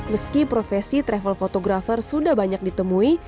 meski profesi travel fotografer sudah banyak ditemui